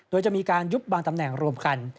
โดยจะมีการยุบบางตำแหน่งรวมกัน